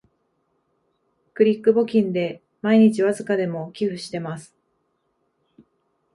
クリック募金で毎日わずかでも寄付してます